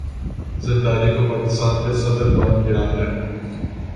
ذرداری گو پاکستان کا صدر بن گیا ہے